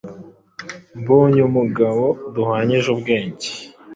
mbonye umugabo duhwanyije ubwenge,